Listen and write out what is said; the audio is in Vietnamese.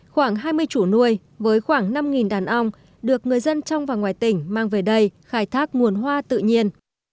khoảng hai mươi chủ nuôi với khoảng năm đàn ong được người dân trong và ngoài tỉnh mang về đây khai thác nguồn hoa tự nhiên